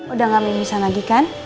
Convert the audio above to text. udah nggak memisah lagi kan